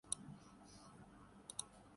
Asian boxing champion Kazakhstan نے جیت لی